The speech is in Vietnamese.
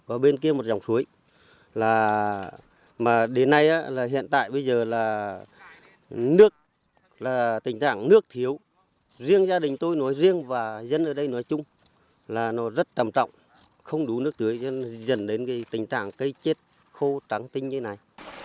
ở bên kia một dòng suối mà đến nay hiện tại bây giờ là tình trạng nước thiếu riêng gia đình tôi nói riêng và dân ở đây nói chung là nó rất tầm trọng không đủ nước tưới dẫn đến tình trạng cây chết khô trắng tinh như thế này